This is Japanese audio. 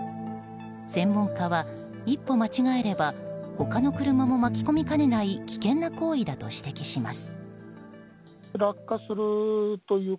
専門家は、一歩間違えれば他の車も巻き込みかねない危険な行為だと指摘します。